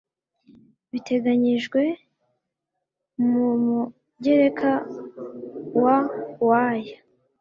biteganyijwe mu mugereka wa w aya